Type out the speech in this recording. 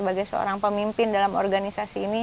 sebagai seorang pemimpin dalam organisasi ini